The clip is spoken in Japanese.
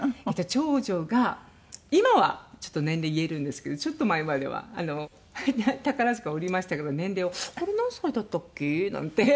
長女が今は年齢言えるんですけどちょっと前までは宝塚おりましたから年齢を「あれ？何歳だったっけ」なんて。